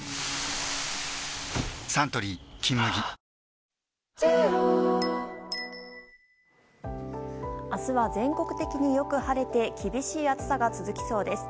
サントリー「金麦」明日は、全国的によく晴れて厳しい暑さが続きそうです。